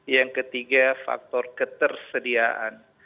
yang ketiga faktor ketersediaan